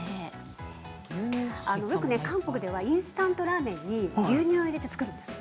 よく韓国ではインスタントラーメンに牛乳を入れて作るんですよ。